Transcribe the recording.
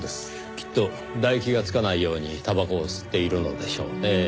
きっと唾液がつかないようにたばこを吸っているのでしょうね。